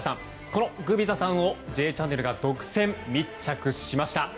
このグビザさんを「Ｊチャンネル」が独占密着しました。